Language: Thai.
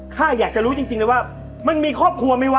ข้าอยากจะรู้จริงเลยว่ามันมีครอบครัวไหมวะ